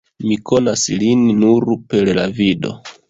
Mi konas lin nur per la vido.